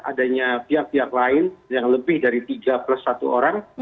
adanya pihak pihak lain yang lebih dari tiga plus satu orang